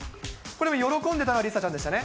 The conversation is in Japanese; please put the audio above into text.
これ、喜んでたのは梨紗ちゃんでしたね。